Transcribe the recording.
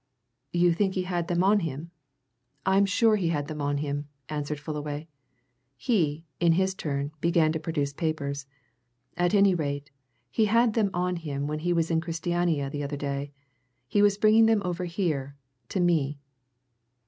"You think he had them on him?" "I'm sure he had them on him!" asserted Fullaway. He, in his turn, began to produce papers. "At any rate, he had them on him when he was in Christiania the other day. He was bringing them over here to me."